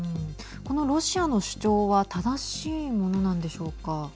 このロシアの主張は正しいものなんでしょうか。